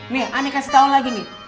nih aneh kasih tau lagi nih